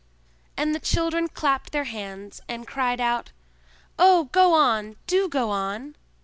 And the children clapped their hands, arid cried out, "Oh, go on! Do go on!"